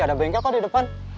ada bengkel kok di depan